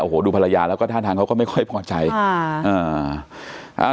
โอ้โหดูภรรยาแล้วก็ท่าทางเขาก็ไม่ค่อยพอใจค่ะอ่า